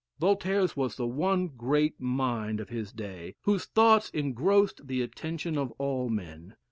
Voltaire's was the one great mind of his day, whose thoughts engrossed the attention of all men.